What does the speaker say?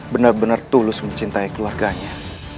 benar benar tulus mencintai keluarganya